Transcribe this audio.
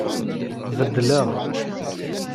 Beddleɣ.